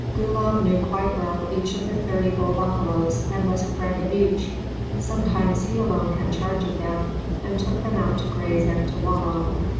Gulab knew quite well each of the thirty bull buffaloes, and was a friend of each. Sometimes he alone had charge of them, and took them out to graze and to wallow.